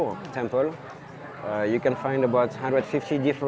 karena itu luar biasa bahwa di relief borobudur